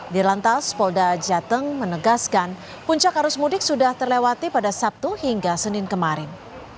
di lantas polda jateng menegaskan puncak arus mudik sudah terlewati pada sabtu hingga senin kemarin